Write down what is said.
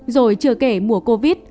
rồi chừa kể mùa covid